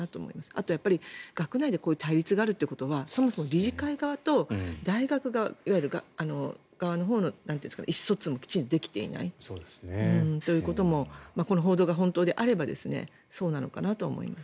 あと、学内でこういう対立があるということはそもそも理事会側といわゆる大学側の意思疎通もきちんとできていないということもこの報道が本当であればそうなのかなと思います。